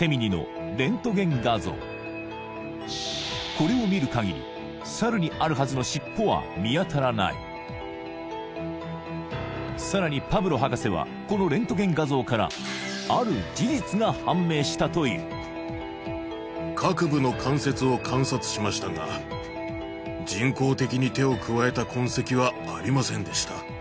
これを見るかぎりサルにあるはずの尻尾は見当たらないさらにパブロ博士はこのレントゲン画像からある事実が判明したという各部の関節を観察しましたが人工的に手を加えた痕跡はありませんでした